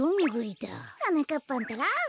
はなかっぱんったら。